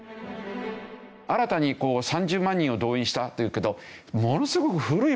新たに３０万人を動員したというけど。